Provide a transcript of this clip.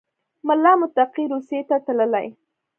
ملا متقي روسیې ته تللی